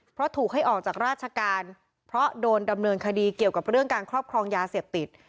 เพราะถูกให้ออกจากราชการเพราะโดนดำเนินคดีเกี่ยวกับเรื่องการครอบครองยาเสพติด